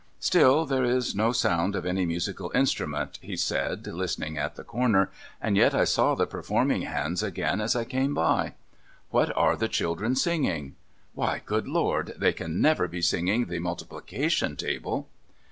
' Still, there is no sound of any musical instrument,' he said, listening at the corner, ' and yet I saw the performing hands again as I came by. What are the children singing ? AVhy, good Lord, they can never be singing the multiplication table